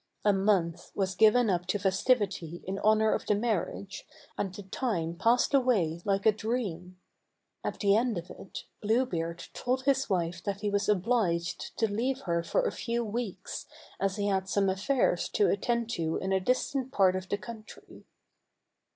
A month was given up to festivity in honor of the marriage, and the time passed away like a dream. At the end of it, Blue Beard told his wife that he was obliged to leave her for a few weeks, as he had some affairs to attend to in a distant part of the country.